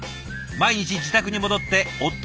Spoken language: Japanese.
毎日自宅に戻って夫祐扶